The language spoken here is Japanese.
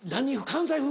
関西風？